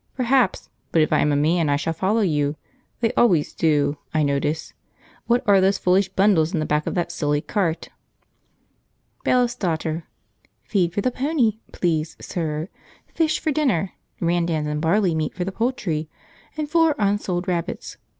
Perhaps; but if I am a man I shall follow you; they always do, I notice. What are those foolish bundles in the back of that silly cart?" Bailiff's Daughter. "Feed for the pony, please, sir; fish for dinner; randans and barley meal for the poultry; and four unsold rabbits.